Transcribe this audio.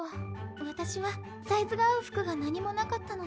私はサイズが合う服が何もなかったので。